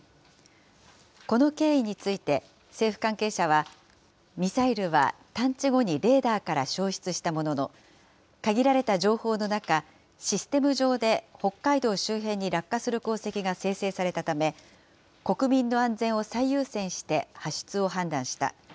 この経緯について、政府関係者は、ミサイルは探知後にレーダーから消失したものの、限られた情報の中、システム上で北海道周辺に落下する航跡が生成されたため、国民の安全を最優先して発出を判断した。